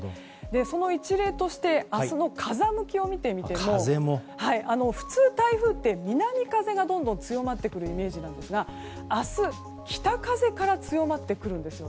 その一例として明日の風向きを見てみても普通、台風って南風がどんどん強まってくるイメージですが明日、北風から強まってくるんです。